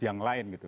yang lain gitu